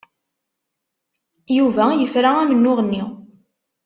Yuba yefra amennuɣ-nni.